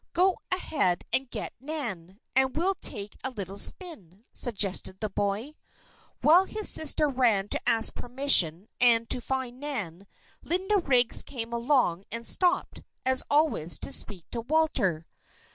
"Go ahead and get Nan, and we'll take a little spin," suggested the boy. While his sister ran to ask permission, and to find Nan, Linda Riggs came along and stopped, as always, to speak to Walter.